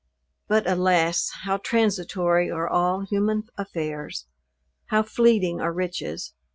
But alas! how transitory are all human affairs! how fleeting are riches!